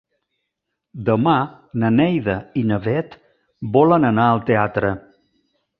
Demà na Neida i na Bet volen anar al teatre.